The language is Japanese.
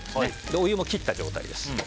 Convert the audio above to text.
お湯も切った状態です。